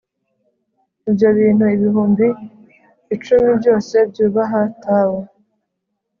bityo ibintu ibihumbi icumi byose byubaha tao